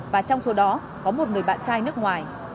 và trong số đó có một người bạn trai nước ngoài